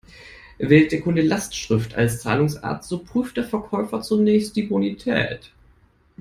Wählt der Kunde Lastschrift als Zahlungsart, so prüft der Verkäufer zunächst die Bonität.